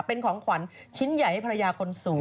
เป็นของขวัญชิ้นใหญ่ให้ภรรยาคนสูง